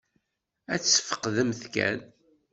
Ad tesfeqdemt kan.